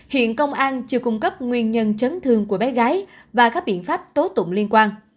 hiện công an chưa cung cấp nguyên nhân chấn thương của bé gái và các biện pháp tố tụng liên quan